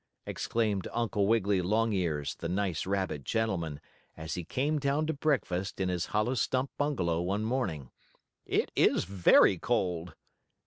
exclaimed Uncle Wiggily Longears, the nice rabbit gentleman, as he came down to breakfast in his hollow stump bungalow one morning. "It is very cold."